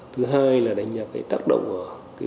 thứ hai là đánh giá tác động của tiền